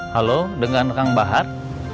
halo dengar kang bahar